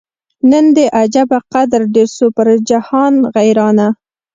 نن دي عجبه قدر ډېر سو پر جهان غیرانه